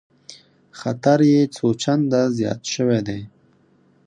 خطر یې څو چنده زیات شوی دی